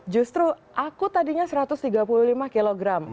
justru aku tadinya satu ratus tiga puluh lima kg